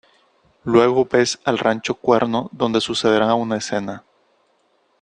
Luego ves al rancho Cuerno donde sucederá una escena.